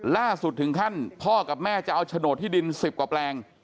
ล่าสุดถึงขั้นพ่อกับแม่จะเอาโฉนดที่ดิน๑๐กว่าแปลง